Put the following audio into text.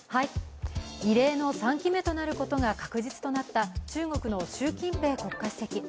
異例の３期目となることが確実となった中国習近平国家主席。